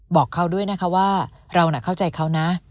บอกเขาด้วยนะคะว่าเราน่ะเข้าใจเขานะ